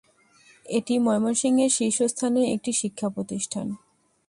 এটি ময়মনসিংহের শীর্ষস্থানীয় একটি শিক্ষাপ্রতিষ্ঠান।